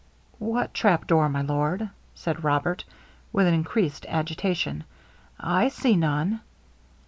'What trapdoor, my Lord?' said Robert, with encreased agitation; 'I see none.'